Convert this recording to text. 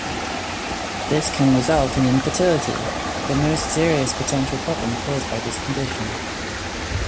This can result in infertility, the most serious potential problem caused by this condition.